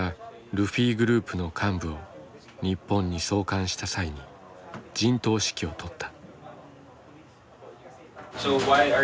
ルフィグループの幹部を日本に送還した際に陣頭指揮を執った。